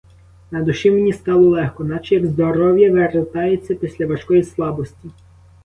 На душі мені стало легко, наче як здоров'я вертається після важкої слабості.